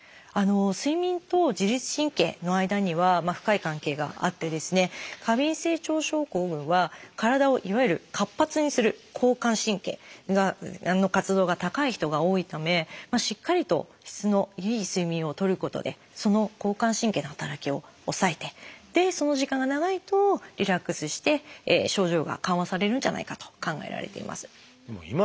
睡眠と自律神経の間には深い関係があって過敏性腸症候群は体をいわゆる活発にする交感神経の活動が高い人が多いためしっかりと質のいい睡眠をとることでその交感神経の働きを抑えてその時間が長いとリラックスして症状が緩和されるんじゃないかと考えられています。